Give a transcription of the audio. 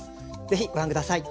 ぜひご覧下さい。